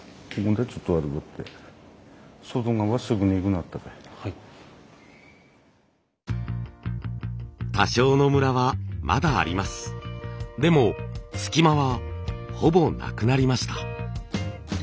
でも隙間はほぼなくなりました。